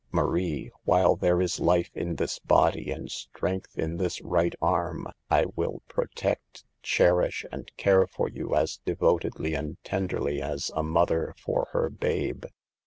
Marie, while there is life in this body and strength in this right arm, I will protect, cherish and care for you as devotedly and tenderly as a mother for her babe."